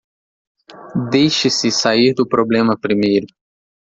Deixe-se sair do problema primeiro